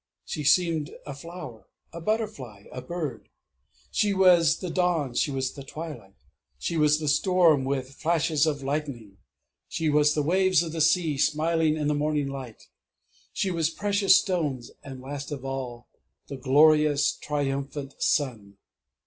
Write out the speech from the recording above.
She seemed a flower a butterfly a bird; she was the dawn; she was the twilight; she was the storm, with flashes of lightning; she was the waves of the sea, smiling in the morning light; she was precious stones and last of all the glorious triumphant Sun!...